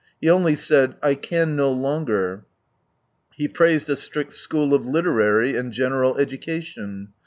He only said, " I can no longer " He praised a strict school of literary and general education.